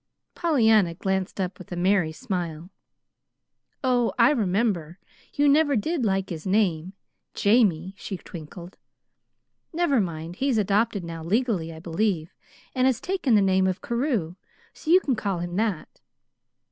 Pollyanna glanced up with a merry smile. "Oh, I remember you never did like his name, 'Jamie,'" she twinkled. "Never mind; he's adopted now, legally, I believe, and has taken the name of Carew. So you can call him that."